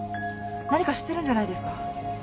何か知ってるんじゃないですか？